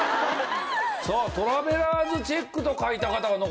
さあトラベラーズチェックと書いた方が残りですね。